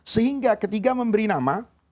sehingga ketika memberi nama